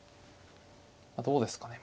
どうですかね。